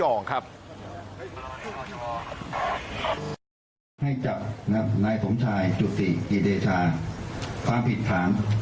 ให้จับนะครับนายสมชายจุฏิอิเดชาความผิดขาด